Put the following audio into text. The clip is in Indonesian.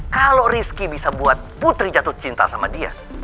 kalau rizky bisa buat putri jatuh cinta sama dia